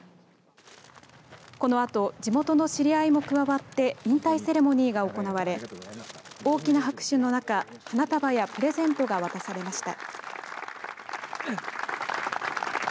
このあと地元の知り合いも加わって引退セレモニーが行われ大きな拍手の中花束やプレゼントが渡されました。